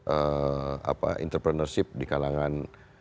entrepreneurship di kalangan